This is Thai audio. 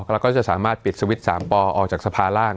แล้วก็จะสามารถปิดสวิตช์๓ปอออกจากสภาร่าง